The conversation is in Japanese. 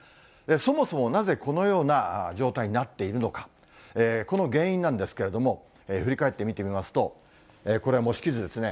そもそもなぜこのような状態になっているのか、この原因なんですけれども、振り返って見てみますと、これ、模式図ですね。